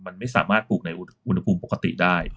มันไม่สามารถปลูกในอุณหภูมิปกติได้